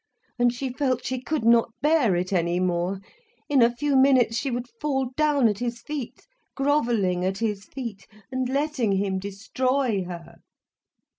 And she felt she could not bear it any more, in a few minutes she would fall down at his feet, grovelling at his feet, and letting him destroy her.